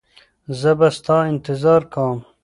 زه به ستا انتظار کوم.